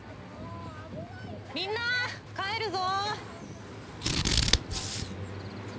みんな帰るぞ。